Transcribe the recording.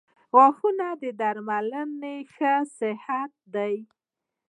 • د غاښونو درملنه د ښه صحت نښه ده.